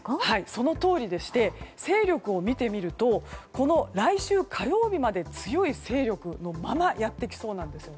そのとおりでして勢力を見てみると来週火曜日まで強い勢力のままやってきそうなんです。